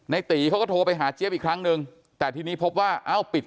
ตีเขาก็โทรไปหาเจี๊ยบอีกครั้งหนึ่งแต่ทีนี้พบว่าเอ้าปิด